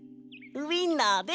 ウインナーです。